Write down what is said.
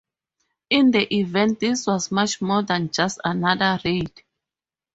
In the event, this was much more than just another raid.